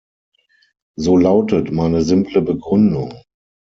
So lautet meine simple Begründung.